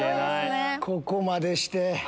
ここまでして。